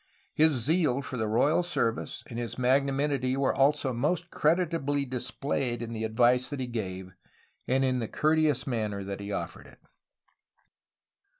His zeal for the royal service and his magnanimity were also most creditably displayed in the advice that he gave and in the courteous manner that he offered it.